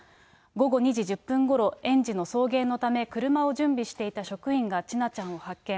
午後２時１０分ごろ、園児の送迎のため、車を準備していた職員が千奈ちゃんを発見。